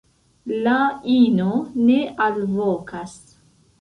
La ino ne alvokas.